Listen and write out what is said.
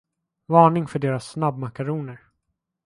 Varning för deras snabbmakaroner.